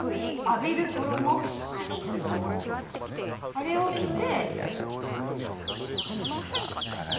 あれを着て。